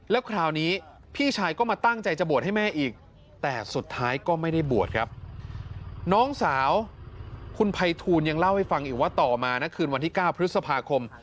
แล้วคราวนี้พี่ชายก็มาตั้งใจจะบวชให้แม่อีก